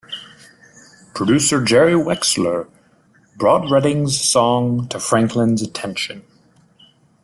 Producer Jerry Wexler brought Redding's song to Franklin's attention.